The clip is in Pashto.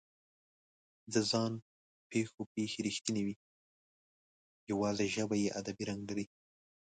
د ځان پېښو پېښې رښتونې وي، یواځې ژبه یې ادبي رنګ لري.